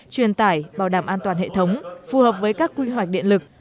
truyền tải bảo đảm an toàn hệ thống phù hợp với các quy hoạch điện lực